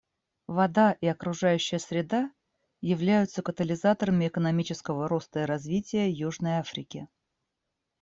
Вода и окружающая среда являются катализаторами экономического роста и развития Южной Африки.